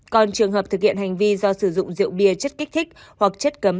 còn trường hợp thực hiện hành vi do sử dụng rượu bia chất kích thích hoặc chất cấm